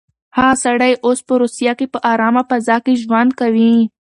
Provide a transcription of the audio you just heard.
هغه سړی اوس په روسيه کې په ارامه فضا کې ژوند کوي.